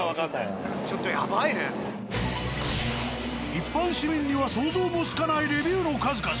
一般市民には想像もつかないレビューの数々。